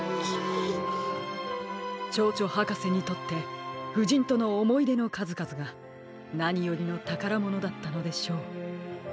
チョウチョはかせにとってふじんとのおもいでのかずかずがなによりのたからものだったのでしょう。